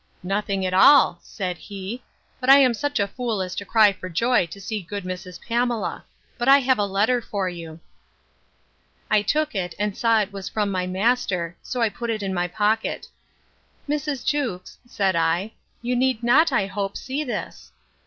Nothing at all, said he; but I am such a fool as to cry for joy to see good Mrs. Pamela: But I have a letter for you. I took it, and saw it was from my master; so I put it in my pocket. Mrs. Jewkes, said I, you need not, I hope, see this.